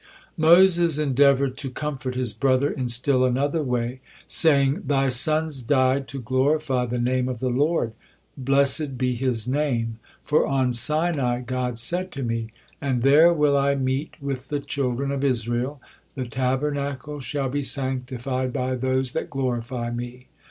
'" Moses endeavored to comfort his brother in still another way, saying: "Thy sons died to glorify the name of the Lord, blessed be His name, for on Sinai God said to me: 'And there will I meet with the children of Israel, the Tabernacle shall be sanctified by those that glorify Me.'